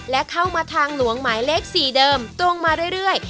และเข้ามาทางหลวงหมายเลข๔เดิมตรงมาเรื่อย